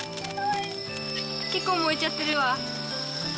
結構燃えちゃってるわ。